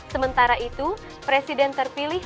sementara itu presiden terpilih